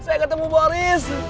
ya saya ketemu boris